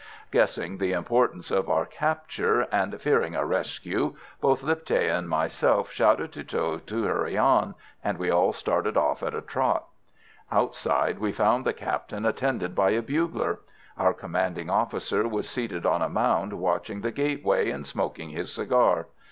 Guessing the importance of our capture, and fearing a rescue, both Lipthay and myself shouted to Tho to hurry on, and we all started off at a trot. Outside, we found the Captain attended by a bugler. Our commanding officer was seated on a mound watching the gateway, and smoking his cigar.